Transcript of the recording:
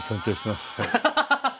アハハハハ！